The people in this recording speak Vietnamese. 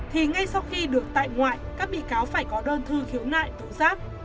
thì ngay sau khi được tại ngoại các bị cáo phải có đơn thư khiếu nại tố giáp